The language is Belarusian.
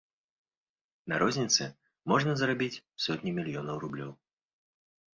На розніцы можна зарабіць сотні мільёнаў рублёў.